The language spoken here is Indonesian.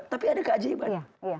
tapi ada keajaiban